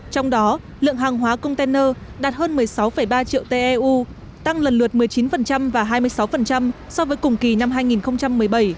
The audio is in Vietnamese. trong đó lượng hàng hóa container đạt hơn một mươi sáu ba triệu teu tăng lần lượt một mươi chín và hai mươi sáu so với cùng kỳ năm hai nghìn một mươi bảy